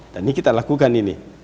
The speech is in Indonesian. dan ini kita lakukan ini